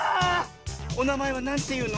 おなまえはなんていうの？